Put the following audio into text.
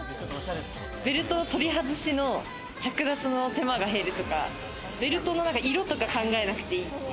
ベルトの取り外しの着脱の手間が減るとか、ベルトの色とか考えなくていい。